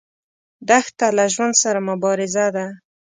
دښته له ژوند سره مبارزه ده.